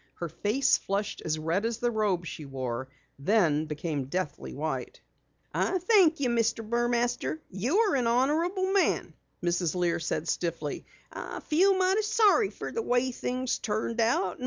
Her face flushed as red as the robe she wore, then became deathly white. "I thank you, Mr. Burmaster, you're an honorable man," Mrs. Lear said stiffly. "I feel mighty sorry fer the way things turned out.